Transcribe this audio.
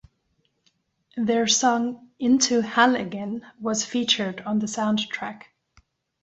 Their song "Into Hell Again" was featured on the soundtrack.